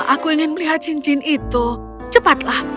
aku ingin melihat cincin itu cepatlah